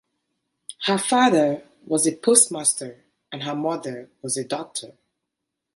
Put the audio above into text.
Her father was a postmaster and her mother was a doctor.